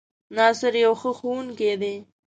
ناصر يو ښۀ ښوونکی دی